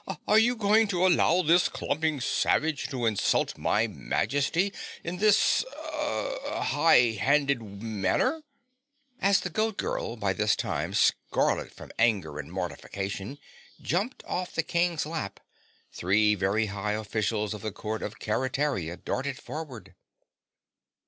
Hi! Are you going to allow this clumping savage to insult my Majesty in this er high handed manner?" As the Goat Girl, by this time scarlet from anger and mortification, jumped off the King's lap, three very high officials of the Court of Keretaria darted forward.